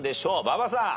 馬場さん。